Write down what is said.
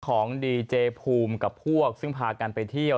ของดีเจภูมิกับพวกซึ่งพากันไปเที่ยว